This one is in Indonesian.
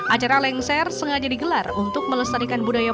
acara lengser sengaja digelar untuk melestarikan budaya